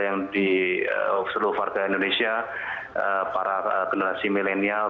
yang di seluruh warga indonesia para generasi milenial